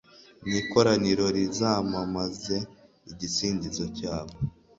n'ikoraniro rizamamaze igisingizo cyabo